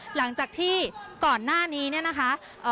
หลังจากที่ก่อนหน้านี้เนี่ยนะคะ